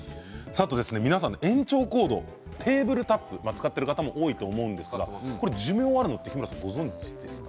皆さん延長コードテーブルタップ、使ってる方多いと思いますが寿命があるのって日村さんご存じでしたか。